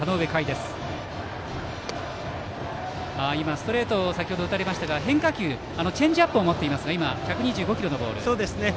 ストレートを先ほど打たれましたが変化球、チェンジアップを持っていますが１２５キロのボールを投げました。